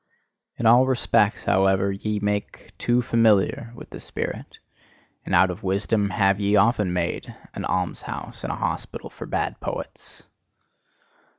In all respects, however, ye make too familiar with the spirit; and out of wisdom have ye often made an almshouse and a hospital for bad poets.